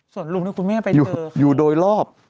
ส่วนลุงที่คุณแม่ไปอยู่โดยรอบ